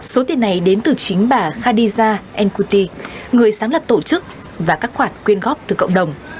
số tiền này đến từ chính bà khadiza enkuti người sáng lập tổ chức và các khoản quyên góp từ cộng đồng